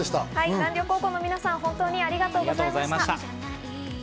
南稜高校の皆さん、ありがとうございました。